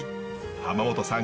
浜本さん